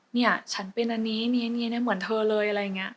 เนี่ยฉันเป็นอันนี้เหมือนเธอเลยอะไรอย่างนี้